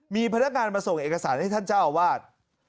มีพนักงานมาส่งเอกสารให้ท่านเจ้าอาวาส